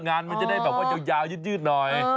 มันจะได้แบบว่ายาวยืดหน่อย